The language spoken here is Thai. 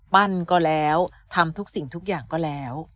ปั้นก็แล้วทำทุกสิ่งทุกอย่างก็แล้ว